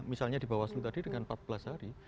misalnya di bawah selu tadi dengan empat belas hari